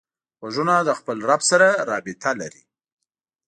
غوږونه له خپل رب سره رابط لري